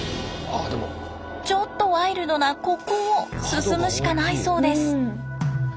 ちょっとワイルドなここを進むしかないそうです。